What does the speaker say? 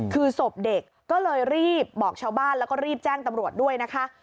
คือศพเด็กก็เลยรีบบอกชาวบ้านแล้วก็รีบแจ้งตำรวจด้วยนะคะ